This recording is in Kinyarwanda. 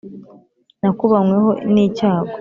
Nakubanywe ho n'icyago